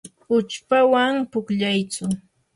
uchpawan pukllayaytsu.